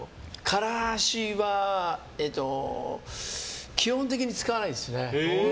からしは基本的に使わないですね。